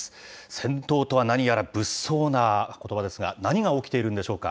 戦闘とは何やら物騒なことばですが、何が起きているんでしょうか。